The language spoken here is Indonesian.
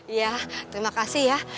iya terima kasih ya